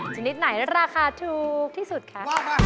ชนิดไหนราคาถูกที่สุดคะ